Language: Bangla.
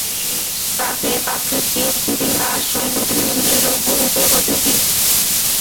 তাতে প্রাকৃতিক ইতিহাস সম্পর্কিত বিভিন্ন দ্রব্য বিক্রয় করতেন তিনি।